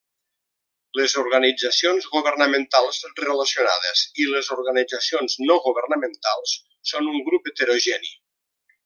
Les organitzacions governamentals relacionades i les organitzacions no governamentals són un grup heterogeni.